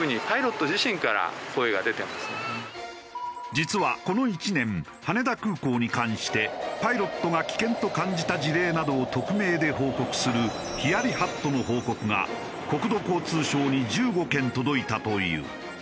実はこの１年羽田空港に関してパイロットが危険と感じた事例などを匿名で報告するヒヤリ・ハットの報告が国土交通省に１５件届いたという。